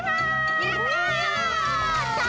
やった！